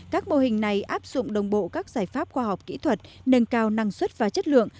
các mô hình này áp dụng đồng bộ các giải pháp khoa học kỹ thuật nâng cao năng suất và chất lượng